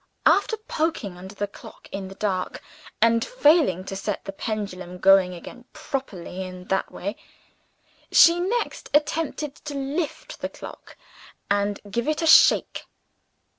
After poking under the clock in the dark, and failing to set the pendulum going again properly in that way, she next attempted to lift the clock, and give it a shake.